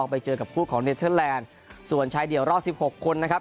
พยายามคุมตัวเองให้ดีที่สุดอะค่ะ